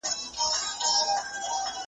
زموږ په مخکي ورځي شپې دي سفرونه ,